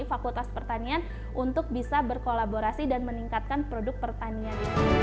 fakultas pertanian untuk bisa berkolaborasi dan meningkatkan produk pertanian